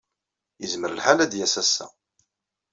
Yezmer lḥal ad d-yas ass-a.